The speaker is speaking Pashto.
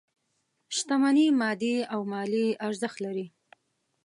شتمني مادي او مالي ارزښت لري.